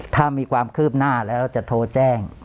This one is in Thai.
ถ้ามีความคืบหน้าแล้วจะโทรแจ้ง